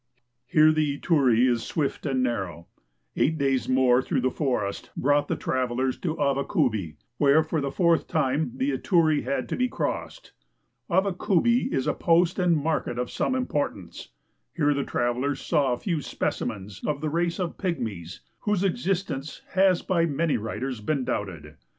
Here the Ituri is swift and narrow. Eight days more through the forest brought the travelers to Avakubi, where for the fourth time the Ituri had to be crossed. Avakubi is a post and market of some importance. Here the travelers saw a few specimens of the race of pygmies whose ex istence has by many writers been doubted.